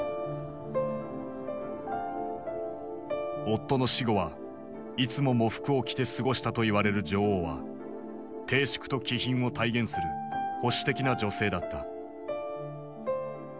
夫の死後はいつも喪服を着て過ごしたといわれる女王は貞淑と気品を体現する保守的な女性だった。